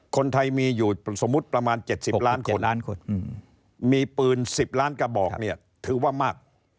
คนไทยมีอยู่สมมุติประมาณ๗๐ล้านคนล้านคนมีปืน๑๐ล้านกระบอกเนี่ยถือว่ามาก